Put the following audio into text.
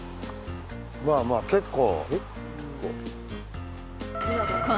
まあまあ結構。